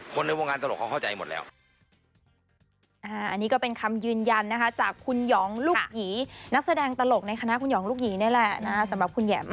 ในวงการตลกเขาเข้าใจหมดแล้ว